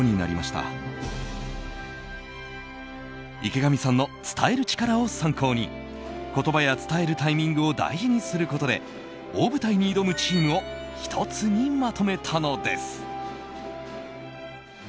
池上さんの「伝える力」を参考に言葉や伝えるタイミングを大事にすることで大舞台に挑むチームを１つにまとめたのです。